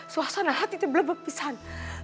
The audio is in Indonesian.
suasana hati itu blebeb pisan